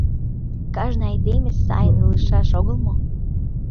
Кажне айдеме сайын илышаш огыл мо?